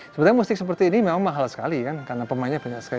sebenarnya musik seperti ini memang mahal sekali kan karena pemainnya banyak sekali